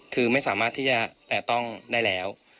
คือไม่สามารถที่จะแตะต้องได้แล้ว